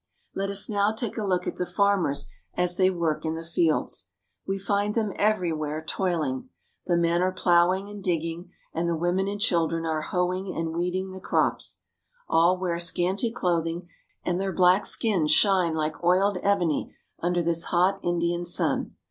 Let us now take a look at the farmers as they work in the fields. We find them everywhere toiling. The men are plowing and digging, and the women and children are hoe ing and weeding the crops. All wear scanty clothing, and their black skins shine like oiled ebony under this hot Indian sun.